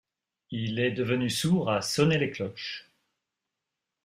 Il est devenu sourd à sonner les cloches.